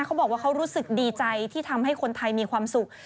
เขาบอกว่าเขารู้สึกดีใจที่ทำให้คนไทยมีความสุข